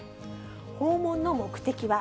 訪問の目的は？